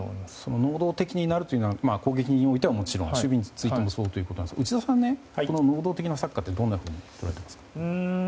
能動的になるというのは攻撃においてはもちろん守備においてもそうだということですが内田さん、能動的なサッカーはどうですか？